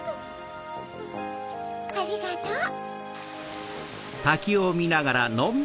ありがとう！